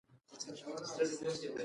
خټکی د ویټامین سي یوه ښه سرچینه ده.